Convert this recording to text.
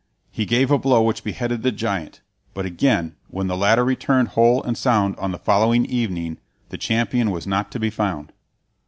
He gave a blow which beheaded the giant, but again, when the latter returned whole and sound on the following evening, the champion was not to be found.